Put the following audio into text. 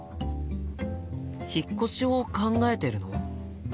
引っ越しを考えてるの？